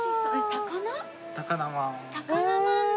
高菜まんだ！